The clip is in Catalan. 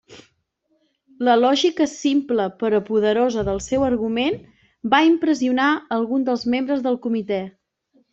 La lògica simple però poderosa del seu argument va impressionar alguns dels membres del comitè.